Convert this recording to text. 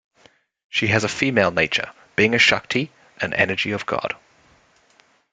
She has a female nature, being a shakti, an energy of God.